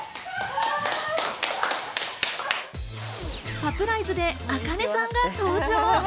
サプライズでａｋａｎｅさんが登場。